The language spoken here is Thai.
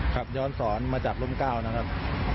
ขับย้อนสอนมาจากร่ม๙นะครับ